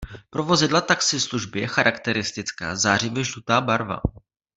Pro vozidla taxislužby je charakteristická zářivě žlutá barva.